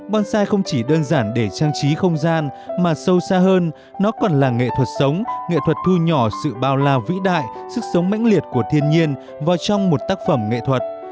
bonsai không chỉ đơn giản để trang trí không gian mà sâu xa hơn nó còn là nghệ thuật sống nghệ thuật thu nhỏ sự bao lào vĩ đại sức sống mãnh liệt của thiên nhiên vào trong một tác phẩm nghệ thuật